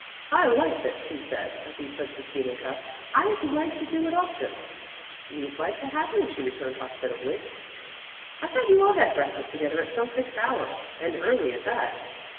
"I like this," he said, as he took the steaming cup. "I'd like to do it often." "We'd like to have you," she returned, hospitably. "I thought you all had breakfast together at some fixed hour, and early at that."